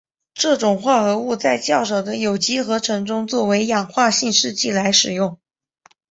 这种化合物在较少的有机合成中作为氧化性试剂来使用。